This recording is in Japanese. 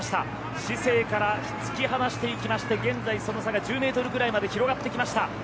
シセイから突き放していきまして現在その差が１０ｍぐらいまで広がってきました。